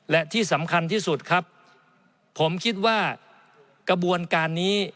และที่สำคัญที่สุดครับผมคิดว่ากระบวนการนี้